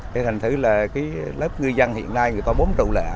thì thành thứ là lớp ngư dân hiện nay người ta bốn trụ lệ